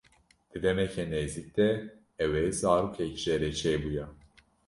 Di demeke nêzik de ew ê zarokek jê re çêbûya.